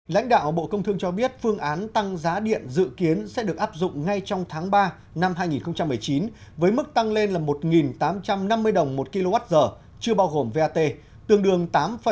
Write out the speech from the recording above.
lãnh đạo bộ công thương cho biết phương án tăng giá điện dự kiến sẽ được áp dụng ngay trong tháng ba năm hai nghìn một mươi chín với mức tăng lên là một tám trăm năm mươi đồng một kwh chưa bao gồm vat tương đương tám năm